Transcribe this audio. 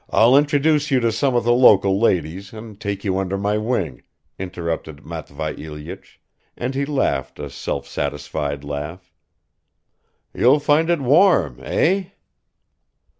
." "I'll introduce you to some of the local ladies and take you under my wing," interrupted Matvei Ilyich, and he laughed a self satisfied laugh. "You'll find it warm, eh?"